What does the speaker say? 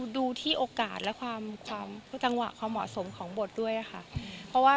ดูที่โอกาสและความจังหวะความเหมาะสมของบทด้วยค่ะเพราะว่า